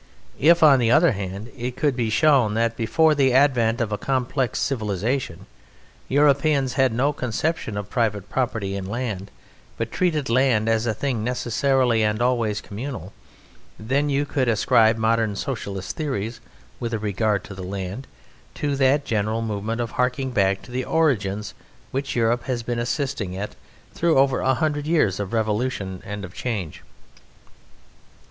If, on the other hand, it could be shown that before the advent of a complex civilization Europeans had no conception of private property in land, but treated land as a thing necessarily and always communal, then you could ascribe modern Socialist theories with regard to the land to that general movement of harking back to the origins which Europe has been assisting at through over a hundred years of revolution and of change.